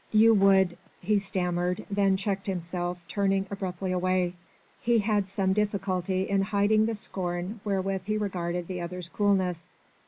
"You would ..." he stammered, then checked himself, turning abruptly away. He had some difficulty in hiding the scorn wherewith he regarded the other's coolness.